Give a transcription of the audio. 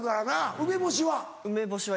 梅干しは？